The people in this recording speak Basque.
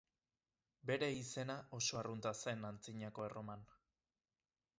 Bere izena oso arrunta zen Antzinako Erroman.